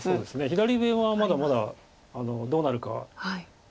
左上はまだまだどうなるか。